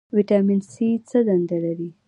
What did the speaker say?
ویټامین سي څه دنده لري؟